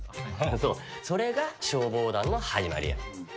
そうそれが消防団の始まりや。